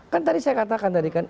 kan tadi saya katakan tadi kan